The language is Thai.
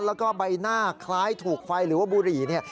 แล้วก็ใบหน้าคล้ายถูกไฟหรือว่าบุหรี่เนี่ย